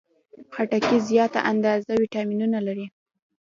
خټکی زیاته اندازه ویټامینونه لري.